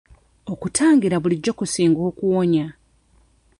Okutangira bulijjo kusinga okuwonya.